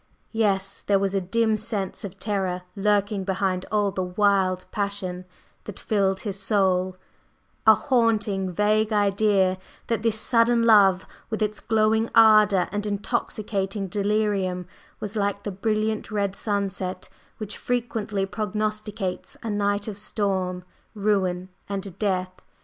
Yes, there was a dim sense of terror lurking behind all the wild passion that filled his soul a haunting, vague idea that this sudden love, with its glowing ardor and intoxicating delirium, was like the brilliant red sunset which frequently prognosticates a night of storm, ruin and death.